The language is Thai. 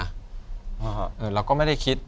แล้วเราก็ไม่คิด